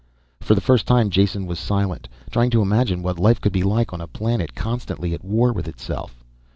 For the first time Jason was silent. Trying to imagine what life could be like on a planet constantly at war with itself.